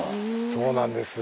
そうなんです。